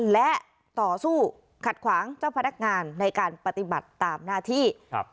และต่อสู้ขัดขวางเจ้าพนักงานในการปฏิบัติตามหน้าที่